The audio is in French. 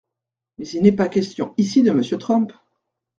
Mais il n’est pas question ici de Monsieur Trump.